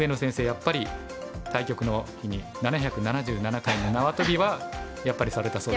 やっぱり対局の日に７７７回の縄跳びはやっぱりされたそうですよ。